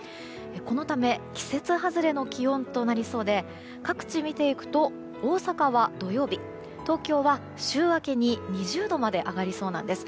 このため季節外れの気温となりそうで各地を見ていくと大阪は土曜日東京は週明けに２０度まで上がりそうなんです。